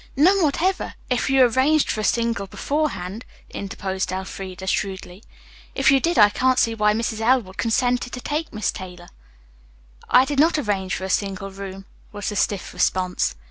"None whatever, if you arranged for a single beforehand," interposed Elfreda shrewdly. "If you did, I can't see why Mrs. Elwood consented to take Miss Taylor." "I did not arrange for a single room," was the stiff response.